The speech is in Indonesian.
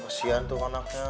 kesian tuh anaknya